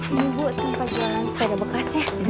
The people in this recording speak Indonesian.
ini buk tempat jualan sepeda bekasnya